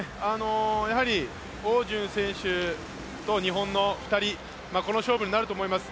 やはり汪順選手と日本の２人この勝負になると思います。